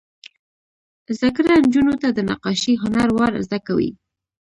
زده کړه نجونو ته د نقاشۍ هنر ور زده کوي.